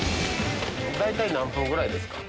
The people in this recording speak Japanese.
大体何分ぐらいですか？